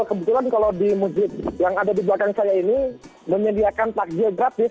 oh kebetulan kalau di muzid yang ada dibelakang saya ini menyediakan takjil gratis